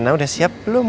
rena udah siap belum